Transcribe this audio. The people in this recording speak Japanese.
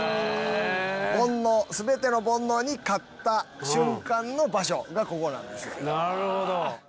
煩悩全ての煩悩に勝った瞬間の場所がここなんです。